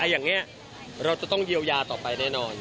อย่างนี้เราจะต้องเยียวยาต่อไปแน่นอน